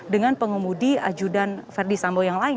dengan pengemudi ajudan ferdisambo yang lain